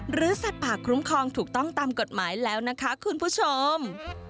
สัตว์ป่าคุ้มครองถูกต้องตามกฎหมายแล้วนะคะคุณผู้ชม